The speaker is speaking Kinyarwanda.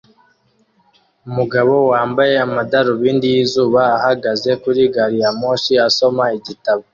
Umugabo wambaye amadarubindi yizuba ahagaze kuri gari ya moshi asoma igitabo